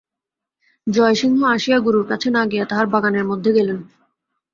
জয়সিংহ আসিয়া গুরুর কাছে না গিয়া তাঁহার বাগানের মধ্যে গেলেন।